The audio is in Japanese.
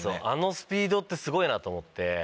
あのスピードってすごいなと思って。